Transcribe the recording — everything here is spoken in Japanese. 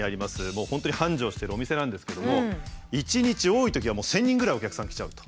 もう本当に繁盛してるお店なんですけども１日多いときは１，０００人ぐらいお客さん来ちゃうと。